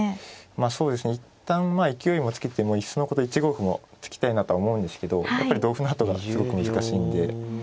そうですね一旦勢いをつけていっそのこと１五歩も突きたいなと思うんですけどやっぱり同歩のあとがすごく難しいんで。